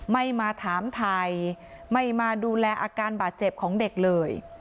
ไม่มาถามไทยไม่มาดูแลอาการบาดเจ็บของเด็กเลย